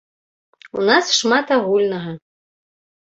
У нас шмат агульнага.